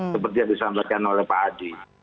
seperti yang disampaikan oleh pak adi